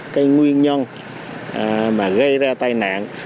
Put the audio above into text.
cái nguyên nhân mà gây ra tai nạn